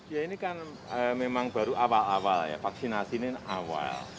ya ini kan memang baru awal awal ya vaksinasi ini awal